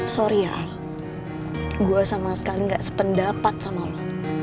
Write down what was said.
sorry ya gue sama sekali gak sependapat sama lo